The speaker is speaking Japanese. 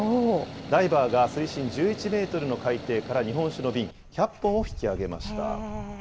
ダイバーが水深１１メートルの海底から日本酒の瓶、１００本を引き揚げました。